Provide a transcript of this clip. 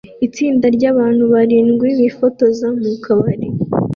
Itsinda ryabantu barindwi bifotoza mukabari